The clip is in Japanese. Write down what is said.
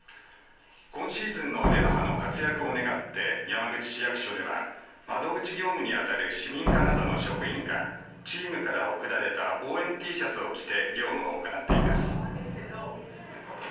今シーズンのレノファの活躍を願って山口市役所では窓口業務に当たる市民課などの職員がチームから贈られた応援Ｔシャツを着て業務を行っています。